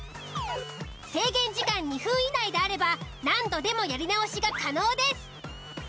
制限時間２分以内であれば何度でもやり直しが可能です。